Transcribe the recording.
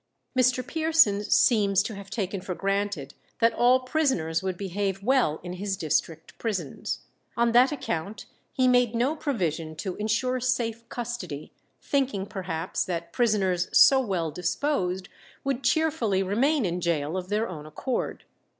Mr. Pearson seems to have taken for granted that all prisoners would behave well in his district prisons. On that account he made no provision to insure safe custody, thinking perhaps that prisoners so well disposed would cheerfully remain in gaol of their own accord.